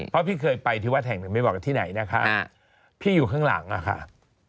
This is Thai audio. เพราะพี่เคยไปที่วัดแห่งหนึ่งไม่บอกที่ไหนนะคะพี่อยู่ข้างหลังอะค่ะ